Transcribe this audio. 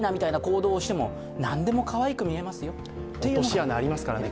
落とし穴ありますからね